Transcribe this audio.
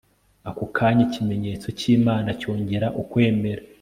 ako kanya ikimenyetso cy'imana cyongera ukwemera